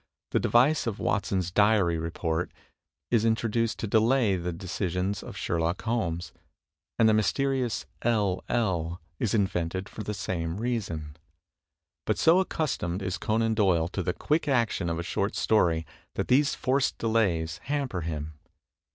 The device of Wat son's diary report is introduced to delay the decisions of Sherlock Holmes. And the mysterious "L.L." is invented for the same reason. But so accustomed is Conan Doyle to the quick action of a short story that these forced delays hamper him.